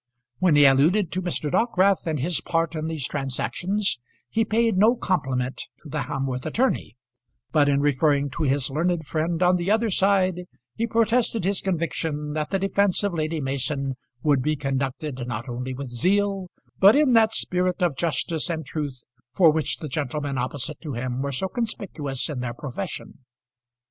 When he alluded to Mr. Dockwrath and his part in these transactions, he paid no compliment to the Hamworth attorney; but in referring to his learned friend on the other side he protested his conviction that the defence of Lady Mason would be conducted not only with zeal, but in that spirit of justice and truth for which the gentlemen opposite to him were so conspicuous in their profession.